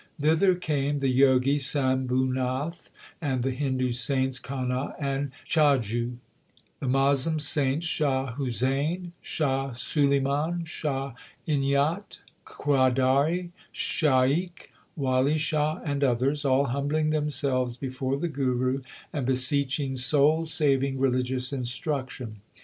Thither came the Jogi Sambhunath and the Hindu saints Kahna and Chhajju ; the Moslem saints Shah Husain, Shah Sulaiman, Shah Inayat Qadari, Shaikh Wali Shah, and others, all humbling themselves before the Guru and beseeching soul saving religious instruction.